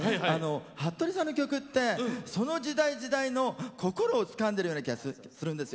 服部さんの曲ってその時代、時代の心をつかんでいる気がするんです。